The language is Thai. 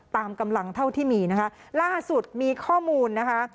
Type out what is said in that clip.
ตามกำลังเท่าที่มีนะคะล่าสุดมีข้อมูลนะคะ